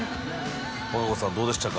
和歌子さんどうでしたか？